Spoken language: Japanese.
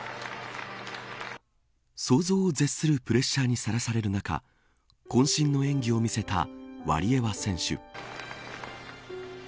想像を絶するプレッシャーにさらされる中渾身の演技を見せたワリエワ選手。